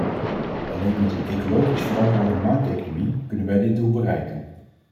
Alleen met een ecologisch verantwoorde markteconomie kunnen wij dit doel bereiken.